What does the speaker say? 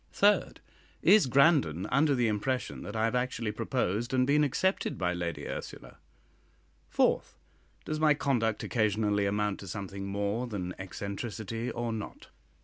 Third, Is Grandon under the impression that I have actually proposed and been accepted by Lady Ursula? Fourth, Does my conduct occasionally amount to something more than eccentricity or not?